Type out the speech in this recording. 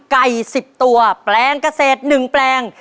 ไก่๑๐ตัวแปลงเกษตร๑แปลง